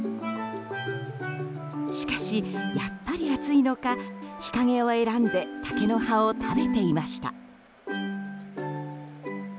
しかし、やっぱり暑いのか日陰を選んで竹の葉を食べていました。